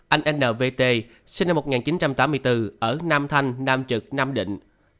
tám anh n v t sinh năm một nghìn chín trăm tám mươi bốn ở nam thanh nam trực nam định